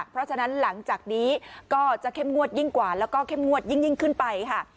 เพราะฉะนั้นหลังจากนี้ก็จะเข้มงวดยิ่งกว่าแล้วก็เข้มงวดยิ่งขึ้นไปค่ะ